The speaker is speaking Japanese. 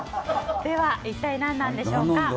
では、一体何なんでしょうか。